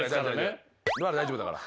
まだ大丈夫だから。